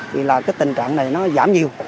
vì là cái tình trạng này nó giảm nhiều